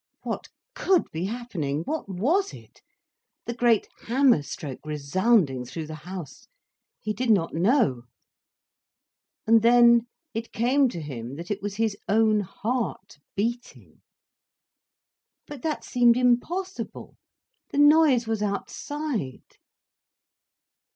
What could be happening, what was it, the great hammer stroke resounding through the house? He did not know. And then it came to him that it was his own heart beating. But that seemed impossible, the noise was outside.